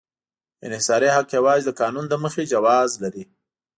انحصاري حق یوازې د قانون له مخې جواز لري.